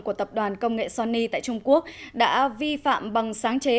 của tập đoàn công nghệ sonny tại trung quốc đã vi phạm bằng sáng chế